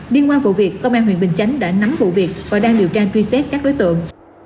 liên quan vụ việc công an huyện bình chánh đã nắm vụ việc và đang điều tra truy xét các đối tượng